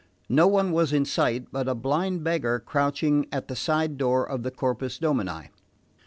No one was in sight but a blind beggar crouching at the side door of the Corpus Domini.